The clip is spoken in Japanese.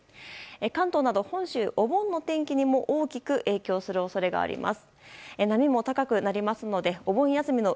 関東など本州のお盆の天気にも大きく影響する恐れがあります。